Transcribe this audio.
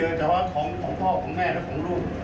เพราะว่าของพ่อคุณแม่และของลูก